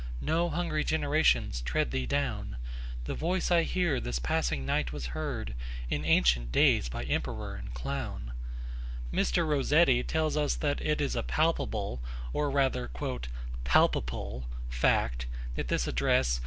No hungry generations tread thee down; The voice I hear this passing night was heard In ancient days by emperor and clown: Mr. Rossetti tells us that it is a palpable, or rather 'palpaple fact that this address